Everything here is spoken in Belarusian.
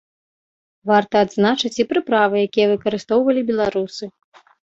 Варта адзначыць і прыправы, якія выкарыстоўвалі беларусы.